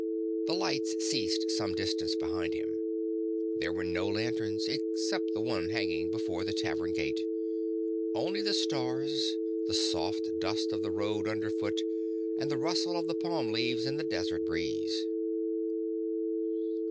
The lights ceased some distance behind him. Here were no lanterns, except the one hanging before the tavern gate: only the stars, the soft dust of the road underfoot, and the rustle of the palm leaves in the desert breeze.